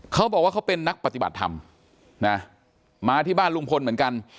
เขาบอกว่าเขาเป็นนักปฏิบัติธรรมนะมาที่บ้านลุงพลเหมือนกัน